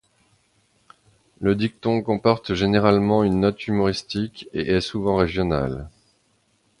Le dicton comporte généralement une note humoristique et est souvent régional.